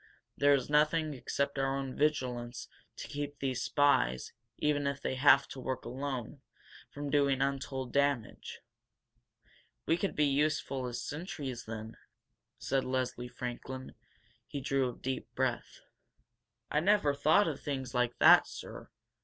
There is nothing except our own vigilance to keep these spies, even if they have to work alone, from doing untold damage!" 'We could be useful as sentries, then?" said Leslie Franklin. He drew a deep breath. "I never thought of things like that, sir!